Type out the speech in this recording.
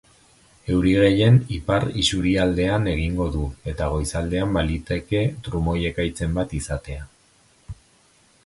Euri gehien ipar isurialdean egingo du eta goizaldean baliteke trumoi-ekaitzen bat izatea.